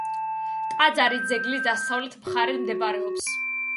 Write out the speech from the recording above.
ტაძარი ძეგლის დასავლეთ მხარედ მდებარეობს.